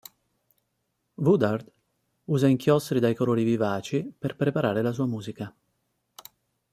Woodard usa inchiostri dai colori vivaci per preparare la sua musica.